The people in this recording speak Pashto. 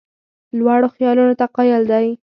لوړو خیالونو ته قایل دی.